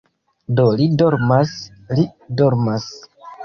Do li dormas, li dormas